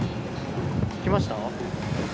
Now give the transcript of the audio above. きました？